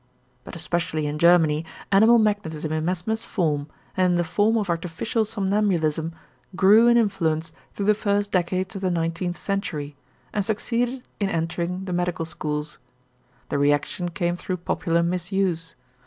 But especially in Germany animal magnetism in Mesmer's form and in the form of artificial somnambulism grew in influence through the first decades of the nineteenth century and succeeded in entering the medical schools. The reaction came through popular misuse.